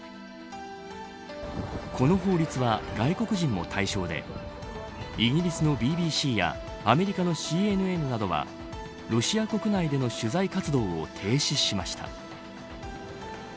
この法律は、外国人も対象でイギリスのＢＢＣやアメリカのＣＮＮなどはロシア国内での取材活動を停止しました。